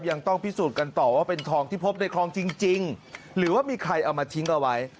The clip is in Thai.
ยังต้องพิสูจน์กันต่อว่าเป็นทองที่พบในคลองจริงหรือว่ามีใครเอามาทิ้งเอาไว้